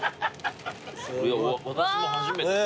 私も初めてです。